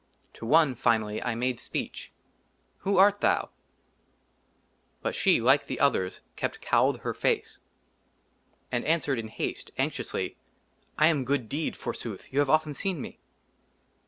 TO ONE, FINALLY, I MADE SPEECH I " WHO ART THOU ?" BUT SHE, LIKE THE OTHERS, KEPT COWLED HER FACE, AND ANSWERED IN HASTE, ANXIOUSLY, "I AM GOOD DEED, FORSOOTH; " YOU HAVE OFTEN SEEN ME."